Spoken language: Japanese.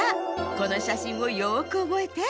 このしゃしんをよくおぼえて。